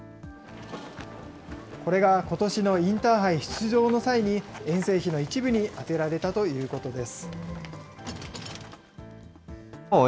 これがことしのインターハイ出場の際に、遠征費の一部に充てられたということです。